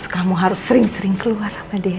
kamu harus sering sering keluar sama dia